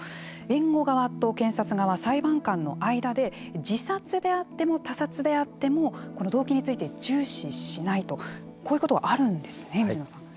弁護側と検察側、裁判官の間で自殺であっても他殺であっても動機について重視しないとこういうことはあるんですね水野さん。